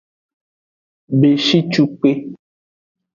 Beshicukpe.